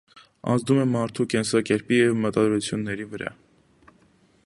Ազդում է մարդու կենսակերպի և մտադրությունների վրա։